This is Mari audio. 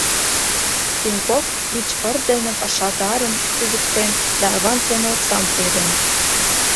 Пеньков вич ыр дене пашадарым кӱзыктен да аванс дене оксам пуэден.